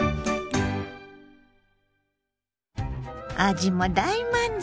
味も大満足！